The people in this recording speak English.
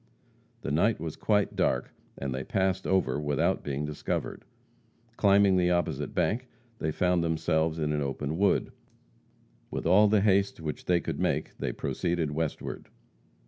The night was quite dark, and they passed over without being discovered. Climbing the opposite bank, they found themselves in an open wood. With all the haste which they could make, they proceeded westward.